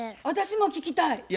私も聞きたい。